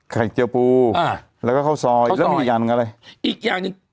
ไข่เตียวปูอ่าแล้วก็ข้าวซอยแล้วมีอีกอย่างอะไรอีกอย่างนึง